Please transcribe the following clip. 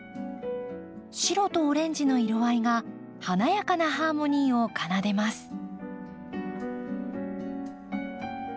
白とオレンジの色合いが華やかなハーモニーを奏でます。